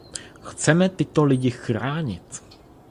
Chceme tyto lidi chránit.